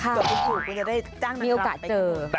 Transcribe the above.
เดี๋ยวไปถูกคุณจะได้จ้างมันกลับไปเจอ